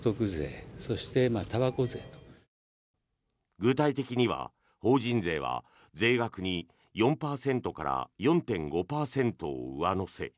具体的には法人税は税額に４％から４．５％を上乗せ。